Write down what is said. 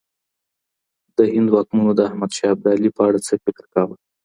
د هند واکمنو د احمد شاه ابدالي په اړه څه فکر کاوه؟